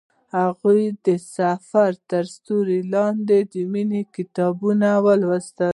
هغې د سفر تر سیوري لاندې د مینې کتاب ولوست.